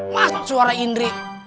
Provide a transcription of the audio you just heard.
mas suara indri